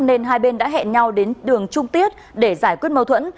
nên hai bên đã hẹn nhau đến đường trung tiết để giải quyết mâu thuẫn